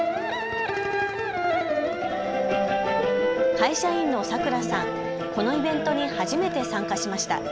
会社員のさくらさん、このイベントに初めて参加しました。